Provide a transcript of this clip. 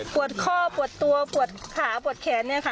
ข้อปวดตัวปวดขาปวดแขนเนี่ยค่ะ